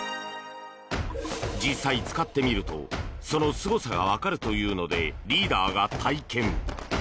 実際、使ってみるとそのすごさが分かるというのでリーダーが体験。